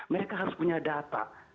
mereka harus punya data